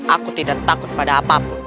aku tidak takut pada apapun